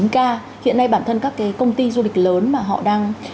chín k hiện nay bản thân các công ty du lịch lớn mà họ đang